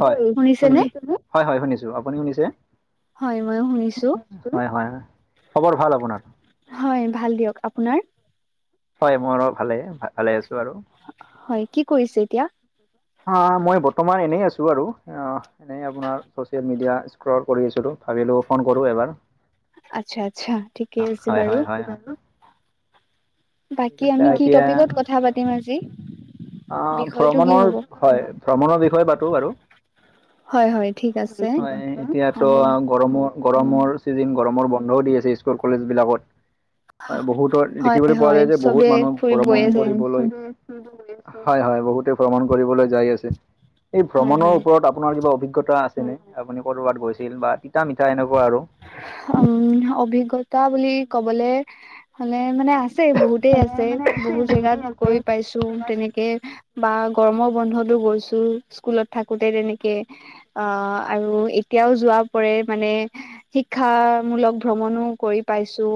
হয়, শুনিছো হয়, হয়, শুনিছো আপুনি শুনিছে? হয় ময়ো শুনিছো হয়, হয়, খবৰ ভাল আপোনাৰ? হয়, ভাল দিয়ক আপোনাৰ? হয়, মোৰো ভালে ভালে আছো আৰু হয়, কি কৰিছে এতিয়া? অ', মই বৰ্তমান এনেই আছো আৰু অ' এনেই আপোনাৰ চচিয়েল মিডিয়া স্ক্ৰল কৰি আছিলোঁ ভাবিলো ফোন কৰো এবাৰ। আচ্ছা আচ্ছা ঠিকে আছে হয়, বাৰু হয়, হয় ঠিক বাকী আছে আমি কি এতিয়া টপিকত কথা পাতিম আজি? অ', বিষয়টো কি ভ্ৰমণৰ হ'ব হয়, ভ্ৰমণৰ বিষয়ে পাতো বাৰু হয় হয় ঠিক আছে হয়, হ'ব এতিয়াতো গৰমৰ গৰমৰ ছিজন গৰমৰ বন্ধও দি আছে স্কুল কলেজ বিলাকত। হয়, বহুতৰ হয় দেখিবলৈ পোৱা হয় যায় যে চবে বহুত মানুহ ফুৰি গৈ ভ্ৰমণ আছে কৰিবলৈ হয়, হয়, বহুতে ভ্ৰমণ কৰিবলৈ যাই আছে। এই হয় ভ্ৰমণৰ হয় ওপৰত আপোনাৰ কিবা অভিজ্ঞতা আছেনে আপুনি ক'ৰবাত গৈছিল বা তিতা মিঠা এনেকুৱা আৰু উম, অভিজ্ঞতা বুলি ক'বলে হলে মানে আছে বহুত বহুতে আছে বহুত জেগাত গৈ পাইছো তেনেকে বা গৰমৰ বন্ধতো গৈছো স্কুলত থাকোতে তেনেকে অ', আৰু এতিয়াও যোৱা কৰে মানে শিক্ষামূলক ভ্ৰমণো কৰি পাইছোঁ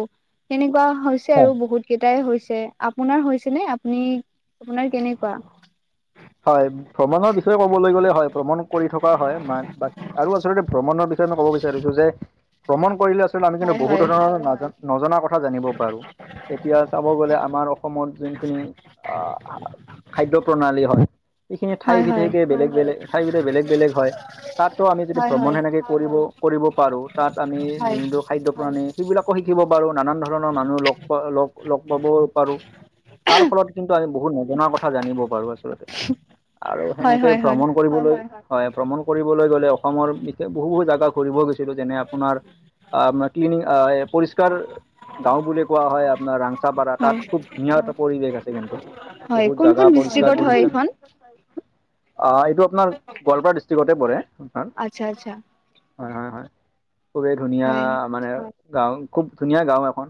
তেনেকুৱা হৈছে আৰু বহুত কেইটাই হৈছে আপোনাৰ হৈছে নে আপুনি আপোনাৰ কেনেকুৱা হয়, ভ্ৰমণৰ বিষয়ে ক'বলৈ গ'লে হয় ভ্ৰমণ কৰি থকা হয় ম আৰু আচলতে ভ্ৰমণৰ বিষয়ে মই ক'ব বিচাৰিছো যে ভ্ৰমণ কৰিলে আচলতে আমি কিন্তু হয় হয় বহুত ধৰণৰ নাজানো নজনা কথা জানিব পাৰো। এতিয়া চাব গ'লে আমাৰ অসমত যোনখিনি আহ খাদ্য প্ৰণালী হয় এইখিনি ঠাই হয় হয় বিধেকে বেলেগ বেলেগ ঠাই বিধে বেলেগ বেলেগ হয় তাতো আমি যদি হয় ভ্ৰমণ সেনেকে কৰিব কৰিব পাৰোঁ তাত আমি হয় যোনটো খাদ্য প্ৰণালী সেইবিলাকো শিকিব পাৰোঁ নানান ধৰণৰ মানুহ লগ প লগ লগ পাবও পাৰোঁ। তাৰ ফলত কিন্তু আমি বহুত নজনা কথা জানিব পাৰো আচলতে। [inaudible] আৰু হয় হয় সেনেকে হয় হয় ভ্ৰমণ কৰিবলৈ হয়, ভ্ৰমণ কৰিবলৈ গলে অসমৰ বিশেষ বহু বহু জেগা ঘূৰিব গৈছিলো যেনে আপোনাৰ আপোনাৰ কিনিং পৰিষ্কাৰ গাঁও বুলি কোৱা হয় আপোনাৰ ৰাং তাপাৰা হয় তাত খুব ধুনীয়া এটা পৰিৱেশ আছে। কিন্তু হয় বহুত কোনখন জাগা ডিষ্ট্ৰিক্টত পৰিষ্কাৰ হয় কৰিছে। এইখন আ, এইটো আপোনাৰ গোৱালপাৰা ডিষ্ট্ৰিক্টতে পৰে। আচ্ছা। আচ্ছা। হয়, হয়, হয়। খুবেই ধুনীয়া হয় মানে গাওঁ খুব ধুনীয়া গাওঁ এখন।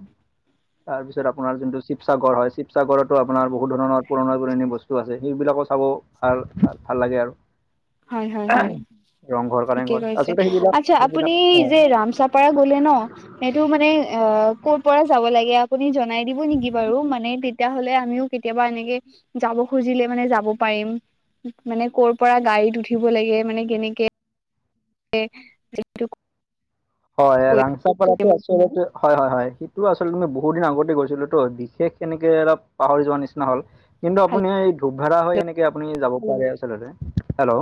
তাৰ পিছত আপোনাৰ যোনটো শিৱসাগৰ হয়, শিৱসাগৰতো আপোনাৰ বহুত ধৰণ পুৰণা পুৰণি বস্তু আছে। সেইবিলাকত খাব ভাল ভাল লাগে আৰু। হয়, হয়, হয়। ৰংঘৰ, ঠিকে কাৰেংঘৰ কৈছে। আচলতে সেইবিলাক আচ্ছা সেইবিলাক আপুনি অ যে ৰামচাপ পাৰ গলে ন' সেইটো মানে আ, ক'ৰ পৰা যাব লাগে আপ আপুনি জনাই দিব নেকি বাৰু মানে তেত তিয়া হ'লে আমিও কেতিয়াবা এনেকে যাব খুজিলে মানে যাব পাৰিম। মানে কৰ পৰা গাড়ীত উঠিব লাগে? মানে কেনেকে এহ। হয়, এ ৰাংচাপাৰাটো আচলতে হয়, হয়, হয়। সেইটো আচলতে মই বহুত দিন আগতে গৈছিলো তো। বিশেষ এনেকে অলপ পাহৰি যোৱাৰ নিচিনা হ'ল। কিন্তু আপুনি এই ধূপ ঘাড়া হয় এনেকে আপুনি যাব পাৰে আচলতে। হেল্ল।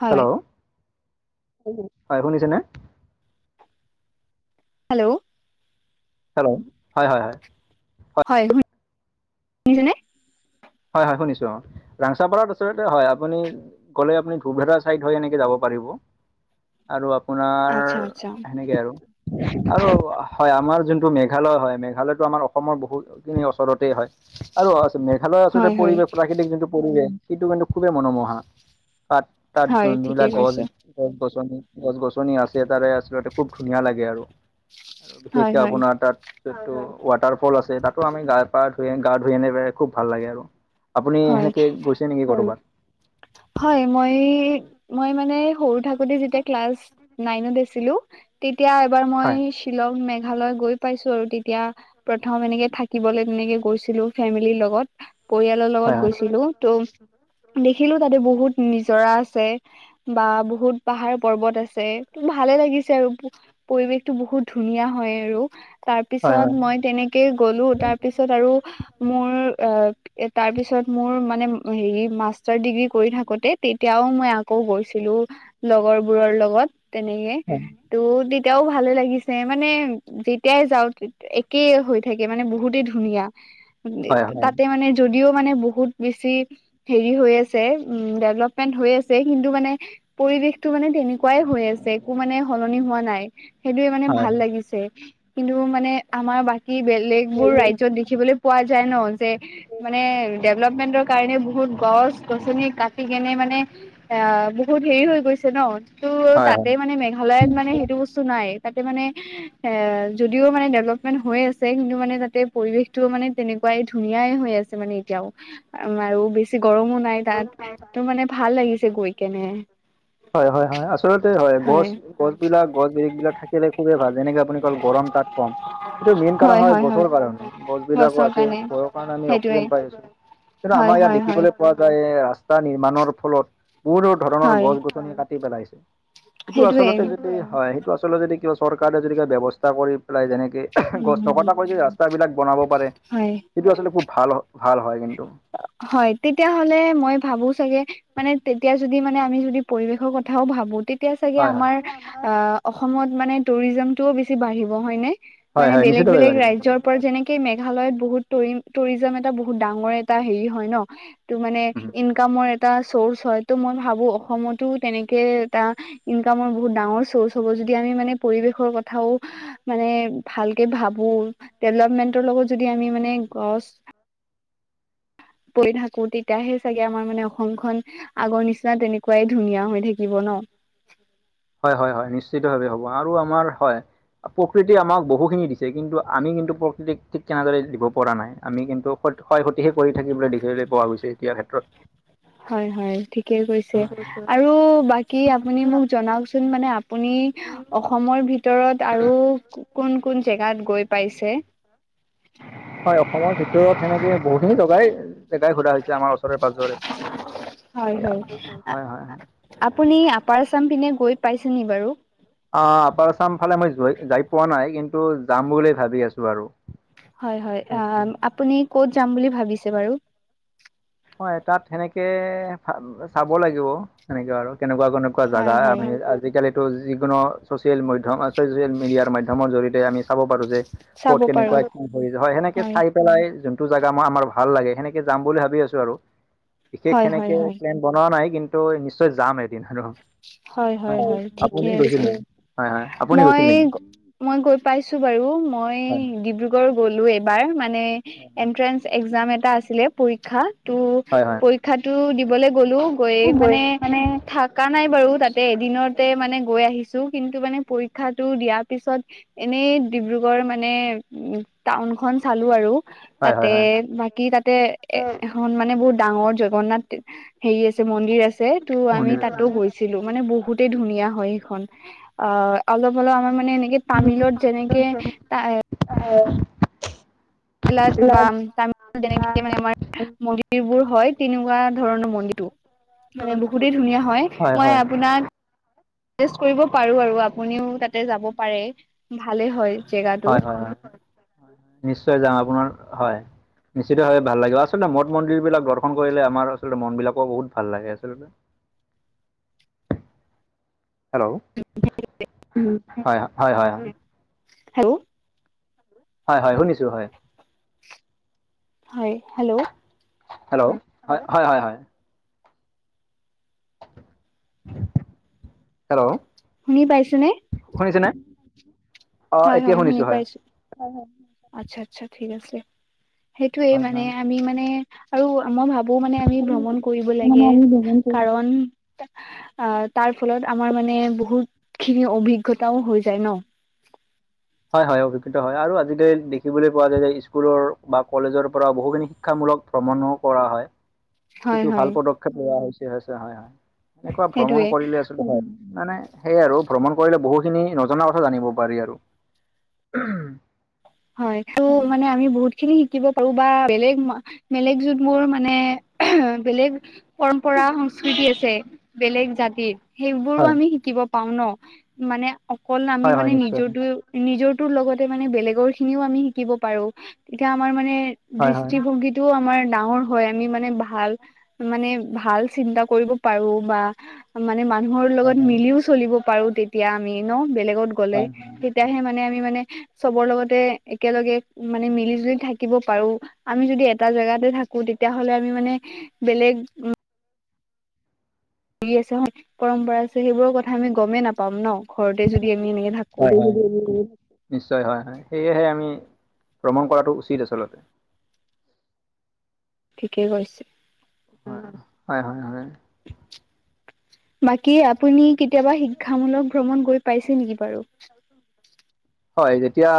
হয় হেল্ল। হয় শুনিছেনে? হেল্লো। হেল্লো। হয়, হয়, হয়। হয় শু, শুনিছে নে? হয়, হয় শুনিছো। অ', ৰাংচাপাৰত আচলতে হয় আপুনি ক'লে আপুনি ঘুবেধা চাইড হয় এনেকে যাব পাৰিব। আৰু আপোনাৰ আচ্ছা আচ্ছা সেনেকে আৰু। আৰু হয় আমাৰ যোনটো মেঘালয় হয় মেঘালয়টো আমাৰ অসমৰ বহুত ই ওচৰতে হয়। আৰু অ', চোন মেঘালয় তাতে হয় হয় পৰিৱেশ প্ৰাকৃতিক যোনটো পৰিৱেশ সেইটো কিন্তু খুবেই মনোমোহা। কাত তাত হয় ঠিকে ধুন্ধুলা গছ, কৈছে গছ গছনি, গছ গছনি আছে তাৰে আচলতে খুব ধুনীয়া লাগে আৰু। হয় বিশেষকে হয় আপোনাৰ তাত টো টো ৱাটাৰ ফল আছে তাতো আমি গা পা ধুই গা ধুই এনে বে খুব ভাল লাগে আৰু। আপুনি হয় সেনেকে গৈছে নেকি কৰবাত? হয় মই মই মানে সৰু থাকোতে যেতিয়া ক্লাছ নাইন অত আছিলোঁ। তেতিয়া এবাৰ মই হয়। শ্বিলং মেঘালয় গৈ পাইছো আৰু তেতিয়া প্ৰথম এনেকে থাকিবলে তেনেকে গৈছিলো ফেমিলিৰ লগত। পৰিয়ালৰ হয় লগত গৈছিলো। ত' দেখিলো তাতে বহুত নিজৰা আছে। বা বহুত পাহাৰ পৰ্বত আছে ভালে লাগিছে আৰু। পৰিৱেশতটো বহুত ধুনীয়া হয় আৰু তাৰ পিছত হয়। মই তেনে কে, গ'লো তাৰ পিছত আৰু মোৰ আ, এ, তাৰপিছত মোৰ মানে ম হেৰি মাষ্টাৰ ডিগ্ৰী কৰি থাকোতে তেতিয়াও মই আকৌ গৈছিলো। লগৰবোৰৰ লগত তেনেকে। তো' তেতিয়াও ভালে লাগিছে। মানে যেতিয়াই যাওঁ তিত একে হৈ থাকে মানে বহুতে ধুনীয়া। হয় হয় হয় হয় তাতে মানে যদিও মানে বহুত বেছি হেৰি হৈ আছ চে, উম, ডেভলপমেণ্ট হৈ আছে। কিন্তু মানে পৰিৱেশটো মানে তেনেকুৱাই হৈ আছে একো মানে সলনি হোৱা নাই। সেইটোৱে মানে ভাল লাগিছে। কিন্তু মানে আমাৰ বাকী বেলেগ বোৰ ৰাজ্যত দেখিবলে পোৱা যায় ন' যে মানে ডেভলপমেন্টৰ কাৰণে বহুত গছ গছনি কাটি কেনে মানে এ, আ, বহুত হেৰি হৈ গৈছে ন'। টো হয় হয় তাতে মানে মেঘালয়ত মানে সেইটো বস্তু নাই। তাতে মানে এ, যদিও মানে ডেভলপমেন্ট হৈ আছে, কিন্তু মানে তাতে পৰিৱেশটোও মানে তেনেকুৱাই ধুনীয়াই হৈ আছ মানে এতিয়াও -উ আৰু বেছি গৰমো নাই তাত তো, মানে ভাল লাগিছে গৈ কেনে। হয় -হয় -হয় আচলতে হয় গছ গছ বিলাক গছ বিৰিখ বিলাক থাকিলে খুবেই ভাল যেনেকে আপুনি -কল গৰম তাত [unintelligible] এইটো মেইন কাৰণ হয় গছৰ কাৰণে, গছ বিলাকো গছৰ আছে কাৰণে ঘৰৰ কাৰণে আমি সেইটোৱে অক্সিজেন পাই আছো। কিন্ত হয় আমাৰ ইয়াত দে হয় হয় দেখিবলৈ পোৱা যায় ৰাস্তা নিৰ্মাণৰ ফলত বহুতো ধৰণৰ হয় গছ গছনি কাটি পেলাইছে। সেইটো সেইটোৱে আচলতে যদি হয় সেইটো আচলতে যদি কিবা চৰকাৰে যদি কিবা ব্যৱস্থা কৰি পেলাই যেনে গছ উম নকটা কৈ যে ৰাস্তা বিলাক বনাব পাৰে, হয় সেইটো আচলতে খুব ভাল ভাল হয় কিন্তু। হয় তেতিয়াহলে মই ভাবো চাগে মানে তেতিয়া যদি মানে আমি যদি পৰিৱেশৰ কথাও ভাবো তেতিয়া চাগে হয় হয় আমাৰ আ অসমত মানে টুৰিজমটোও বেছি বাঢ়িব হয়নে? হয় মানে হয় বেলেগ নিশ্চিতভাৱে বেলেগ পাৰিব। ৰজ্যৰ যেনেকে মেঘালয়ত বহুত ৰি টুৰিজম এটা বহুত ডাঙৰ এটা হেৰি হয় ন' -ত মানে ইনকামৰ এটা চৰ্চ হয় ত' মই ভাবো অসমতো তেনেকে এটা ইনকামৰ বহুত ডাঙৰ চৰ্চ হ'ব যদি আমি মানে পৰিবেশৰ কথাও মানে ভালকে ভাবো ডেভলপমেন্টৰ লগত যদি আমি মানে গছ পৰি থাকো তেতিয়াহে চাগে আমাৰ মানে অসমখন আগৰ নিচিনা তেনেকুৱাই ধুনীয়া হৈ থাকিব ন'? হয়' হয়' হয' নিশ্চিত ভাৱে হ'ব আৰু আমাৰ হয়। প্ৰকৃতিয়ে আমাক বহুখিনি দিছে, কিন্তু আমি কিন্তু প্ৰকৃতিক ঠিক তেনেদৰে দিব পৰা নাই আমি কিন্তু ক্ষয় ক্ষতিহে কৰি থাকিবলে দেখিবলৈ পোৱা গৈছে এতিয়া ক্ষেত্ৰত। হয়, হয়, ঠিকে কৈছে আৰু বাকী আপুনি নি মোক জনাওকচোন মানে আপুনি অসমৰ ভিতৰত আৰু কোন কোন জেগাত গৈ পাইছে? হয় অসমৰ ভিতৰত সেনেকে বহুতখিনি জগাই জেগাই সোধা হৈছে আমাৰ ওচৰে পাজৰে। হয় এতিয়া হয় হয়' হয়' হয়'। আপুনি আপাৰ আছাম পিনে গৈ পাইছে নি বাৰু? অ' আপাৰ আচাম ফালে মই যই যাই পোৱা নাই কিন্তু যাম বুলি ভাবি আছো আৰু। হয়' হয় আ আপুনি কত যাম বুলি ভাবিছে বাৰু? হয় তাত সেনেকে চাব লাগিব সেনেকে আৰু কেনেকুৱা [unintelligible] কোৱা হয় জেগা হয় আমি আজিকালি যিকোনো ছ'চিয়েল মাধ্যম ছ'চিয়েল মিডিয়াৰ মাধ্যমৰ জৰিয়তে আমি চাব পাৰোঁ যে ক'ত চাব পাৰো কেনেকুৱা কি [inaudible] হৈ হয় সেনেকে চাই পেলাই যোনটো জেগা মই আমাৰ ভাল লাগে সেনেকে যাম বুলি ভাবি আছো আৰু, বিশেষ হয় হয় সেনেকে হয় প্লেন বনোৱা নাই কিন্তু নিশ্চয় যাম এদিন আৰু, হয় হয় হয় [inaudible] ঠিকে আপুনি গৈছে আছে নাই? হয়' হয়। আপুনি মই, গৈছিল নেকি মই গৈ পাইছোঁ বাৰু মই হয় ডিব্ৰুগড় গলোঁ এইবাৰ মানে এনট্ৰেন্স এক্জাম এটা আছিলে পৰীক্ষা তো হয় হয় হয় হয় পৰীক্ষাটো দিবলে গ'লো গৈ মানে থকা নাই বাৰু তাতে এদিনতে মানে গৈ আহিছোঁ কিন্তু মানে পৰীক্ষাটো দিয়াৰ পিছত এনেই ডিব্ৰুগড় মানে উ টাউন খন চালো আৰু। হয় তাতে হয় হয়। বাকী তাতে এ এখন মানে বহুত ডাঙৰ জগন্নাথ হেৰি আছে ম মন্দিৰ আছে ত' আমি মন্দিৰ তাতো আছে। গৈছিলোঁ মানে বহুতেই ধুনীয়া হয় সেইখন অ' অলপ অলপ আমাৰ মানে এনেকে তামিলত যেনেকে ত অ' [unintelligible] কেৰালাত বা [unintelligible] মন্দিৰ বোৰ হয় তেনেকুৱা ধৰণৰ মন্দিৰটো। মানে বহুতেই ধুনীয়া হয় মই আপোনাক চাজেচ কৰিব পাৰোঁ আৰু আপুনিও তাতে যাব পাৰে ভালে হয়। জেগাটো হয়, হয়, হয় নিশ্চয় যাম, আপোনাৰ হয়। নিশ্চিতভাৱে ভাল লাগিব আচলতে মন্দ মন্দিৰবিলাক দৰ্শন কৰিলে আমাৰ আচলতে মন বিলাক বহুত ভাল লাগে আচলতে। [inaudible] [inaudible] হেল্ল'। হ [unintelligible] উম হয়, হয়, হয়, হয়, হয়। হেল্ল'। হয়, হয় শুনিছোঁ হয়। হয়, হেল্ল'। হেল্ল' হয়, হয়, হয়, হয়। হেল্ল'। শুনি পাইছোঁ নে? শুনিছে নে অ', হয় এতিয়া শুনি শুনিছোঁ হয়। পাইছো আচ্ছা আচ্ছা ঠিক আছে সেইটোয়ে হয় মানে হয় আমি মানে আৰু মই ভাবোঁ মানে আমি ভ্ৰমণ কৰিব লাগে কাৰণ অ', তাৰ ফলত আমাৰ মানে বহুত খিনি অভিজ্ঞতাও হৈ যায় ন। হয়, হয় অভিজ্ঞতা হয় আৰু আজিকালি দেখিবলৈ পোৱা যায় যে স্কুলৰ বা কলেজৰ পৰা বহুখিনি শিক্ষামূলক ভ্ৰমণো কৰা হয়। হয় সেইটো ভাল হয় পদক্ষেপ লোৱা হৈছে হৈছে হয় হয় এনেকুৱা সেইটোয়ে ভ্ৰমণ কৰিলে আ মানে সেই আৰু ভ্ৰমণ কৰিলে বহু খিনি নজনা কথা জানিব পাৰি আৰু। উম। হয় ত' মানে আমি বহুত খিনি শিকিব পাৰো বা বেলেগ বেলেগ যুত মোৰ মানে বেলেগ পৰম্পৰা সংস্কৃতি আছে বেলেগ জাতিৰ সেইবোৰো হয় আমি শিকিব পাও ন মানে অকল আমি হয় হয় মানে নিশ্চয় নিজৰ নিজৰটো লগতে মানে বেলেগৰ খিনিও আমি শিকিব পাৰোঁ তেতিয়া আমাৰ মানে হয় হয় হয় দৃষ্টিভংগী সেটোও আমাৰ ডাঙৰ হয় আমি মানে ভাল মানে ভাল চিন্তা কৰিব পাৰো বা মানে মানুহৰ লগত মিলিও চলিব পাৰো তেতিয়া আমি ন বেলেগত গ'লে হয় হয় হয় তেতিয়াহে মানে আমি মানে চবৰ লগতে একেলগে মানে মিলি - জুলি থাকিব পাৰো। আমি যদি এটা জেগাতে থাকো তেতিয়াহলে আমি মানে বেলেগ আছে পৰম্পৰা আছে সেইবোৰৰ কথা আমি গমেই নাপাম ন ঘৰতে যদি আমি এনেকে থাকোঁ। উম উ উ। নিশ্চয় হয় হয় সেয়েহে আমি ভ্ৰমণ কৰাটো উচিত আচলতে। ঠিকেই কৈছে। অহ, হয় হয় হয়। বাকী আপুনি কেতিয়াবা শিক্ষামূলক ভ্ৰমণ গৈ পাইছে নেকি বাৰু? হয় যেতিয়া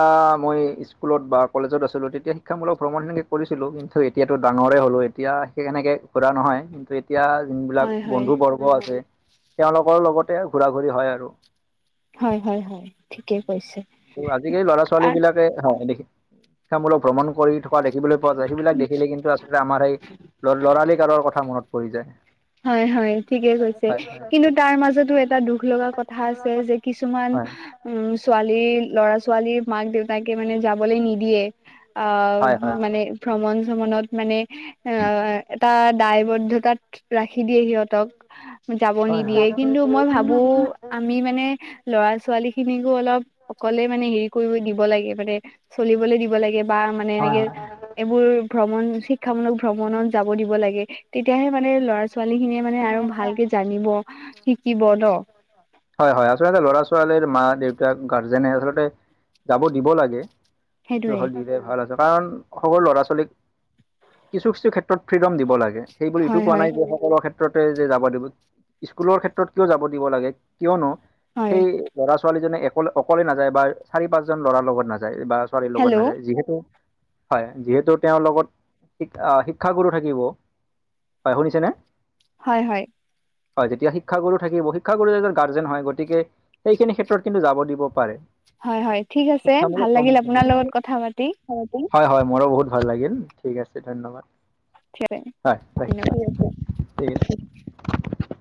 মই স্কুলত বা কলেজত আছিলো তেতিয়া শিক্ষামূলক ভ্ৰমণ সেনেকে কৰিছিলো কি কিন্তু এতিয়াতো ডাঙৰেই হ'লো এতিয়া সেই কেনেকে ঘুৰা নহয় কিন্তু এতিয়া যোনবিলাক হয় হয় বন্ধু বৰ্গ আছে তেওঁলোকৰ লগতে ঘূৰা ঘূৰি হয় আৰু। হয় হয় হয় ঠিকেই কৈছে। আজিকালি ল'ৰা - ছোৱালীবিলাকে হয় শিক্ষামূলক ভ্ৰমণ কৰি পুৱা দেখিবলৈ পোৱা যায় সেইবিলাক দেখিলে কিন্তু আচলতে আমাৰ সেই ল লৰালি কালৰ কথা মনত পৰি যায়। হয় হয় ঠিকে কৈছে। কিন্তু তাৰ মাজতো এটা দুখ লগা কথা আছে যে কিছুমান উম ছোৱালী ল'ৰা - ছোৱালী মাক - দেউতাকে মানে যাবলৈ নিদিয়ে। আহ মানে ভ্ৰমণ - শ্ৰমনত মানে আহ এটা দায়বদ্ধতাত ৰাখি দিয়ে সিহঁতক যাব নিদিয়ে কিন্তু মই ভাবো আমি মানে লৰা- ছোৱালীখিনিকো অলপ অকলে মানে হেৰি কৰিব দিব লাগে মানে চলিবলে দিব লাগে বা মানে হয় এনেকে হয় এইবোৰ ভ্ৰমণ শিক্ষামূলক ভ্ৰমণত যাব দিব লাগে তেতিয়াহে মানে এ ল'ৰা - ছোৱালীখিনিয়ে মানে আৰু ভালকে যা [unintelligible] হয় হয় আচলতে ল'ৰা - ছোৱালীৰ মা - দেউতাক গাৰ্জেনে আচলতে যাব দিব লাগে সেইটো সেইটোয়ে হ'ল দিলে ভাল আছে কাৰণ সৰু ল'ৰা - ছোৱালীক কিছু - কিছু ক্ষেত্ৰত ফ্ৰীডম দিব লাগে সেই বুলি এইটো হয় কোৱা হয় নাই যে সকলো ক্ষেত্ৰতে যে যাব দিব স্কুলৰ ক্ষেত্ৰত কিয় যাব দিব লাগে কিয়নো হয় সেই ল'ৰা - ছোৱালীজনে একলে অকলে নাযায় বা চাৰি - পাঁচজন ল'ৰাৰ লগত নাযায় বা ছোৱালী হেল্ল' লগত নাযায় যিহেতু হয় যিহেতু তেওঁৰ লগত শিক আ শিক্ষাগুৰু থাকিব হয় শুনিছেনে? হয় হয়। হয় যেতিয়া শিক্ষাগুৰু থাকিব শিক্ষাগুৰু এজন গাৰ্জেন হয় গতিকে সেইখিনি ক্ষেত্ৰত কিন্তু যাব দিব পাৰে। হয় হয় ঠিক আছে, শিক্ষামূলক ভাল ভ্ৰমণ লাগিল আপোনাৰ কৰিব। লগত কথা পাতি। হয় হয় মোৰো বহুত ভাল লাগিল, ঠিক আছে ধন্যবাদ। [unintelligible] হয় হয়, ধন্যবাদ ঠিক আছে।